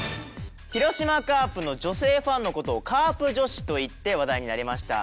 広島カープの女性ファンの事をカープ女子といって話題になりました。